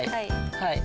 はい。